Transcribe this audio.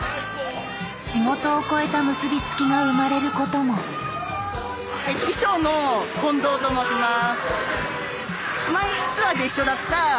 仕事を超えた結び付きが生まれることも衣装の近藤と申します。